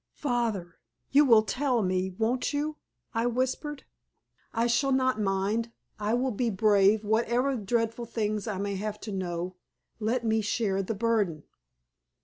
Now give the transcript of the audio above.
"Father, you will tell me, won't you?" I whispered. "I shall not mind. I will be brave, whatever dreadful things I may have to know. Let me share the burden."